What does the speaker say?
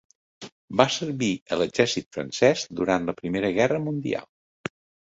Va servir a l'exèrcit francès durant la Primera Guerra Mundial.